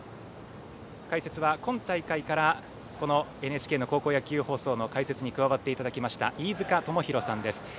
解説は今大会からこのＮＨＫの高校野球放送の解説に加わっていただきました飯塚智広さんです。